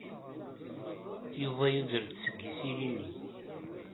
Yuba yuder-d seg yisili-nni.